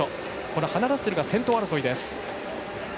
ハナ・ラッセルが先頭争いです。